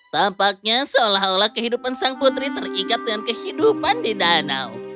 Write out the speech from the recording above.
tampaknya seolah olah kehidupan sang putri terikat dengan kehidupan di danau